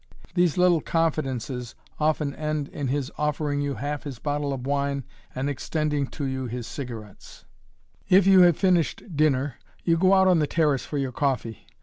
These little confidences often end in his offering you half his bottle of wine and extending to you his cigarettes. [Illustration: LES BEAUX MAQUEREAUX] If you have finished dinner, you go out on the terrace for your coffee.